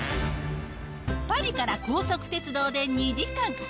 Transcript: パリから高速鉄道で２時間。